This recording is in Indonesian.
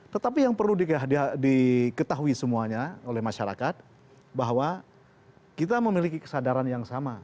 tetapi yang perlu diketahui semuanya oleh masyarakat bahwa kita memiliki kesadaran yang sama